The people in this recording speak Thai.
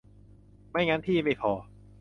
ไม่งั้นที่ไม่พอ